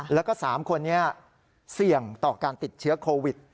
แล้วก็๓คนนี้เสี่ยงต่อการติดเชื้อโควิด